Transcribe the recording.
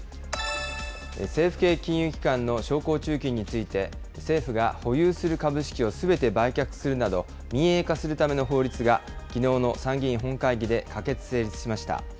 政府系金融機関の商工中金について、政府が保有する株式をすべて売却するなど、民営化するための法律が、きのうの参議院本会議で可決・成立しました。